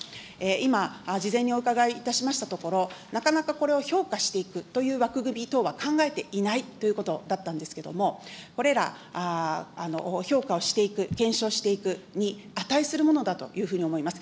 今、事前にお伺いいたしましたところ、なかなかこれを評価していくという枠組み等は考えていないということだったんですけれども、これら、評価をしていく、検証していくに値するものだというふうに思います。